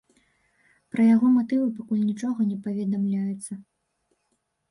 Пра яго матывы пакуль нічога не паведамляецца.